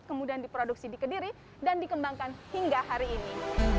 kemudian diproduksi di kediri dan dikembangkan hingga hari ini